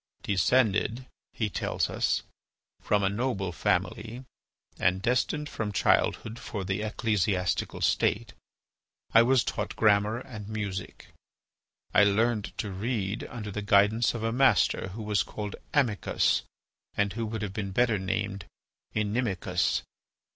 "Descended," he tells us, "from a noble family, and destined from childhood for the ecclesiastical state, I was taught grammar and music. I learnt to read under the guidance of a master who was called Amicus, and who would have been better named Inimicus.